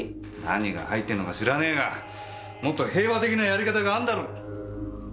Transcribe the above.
何が入ってんのか知らねえがもっと平和的なやり方があんだろ！